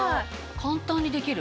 簡単にできる。